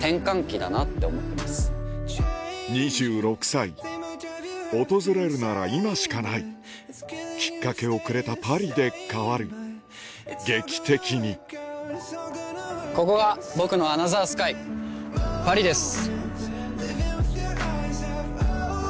２６歳訪れるなら今しかないきっかけをくれたパリで変わる劇的にここが僕のアナザースカイパリです。